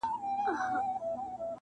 زه هم د بهار د مرغکیو ځالګۍ ومه٫